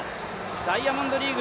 ダイヤモンドリーグ